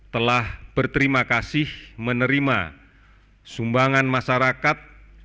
telah berterima kasih menerima sumbangan masyarakat